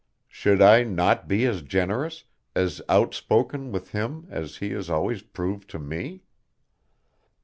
Should I not be as generous, as outspoken, with him as he has always proved to me?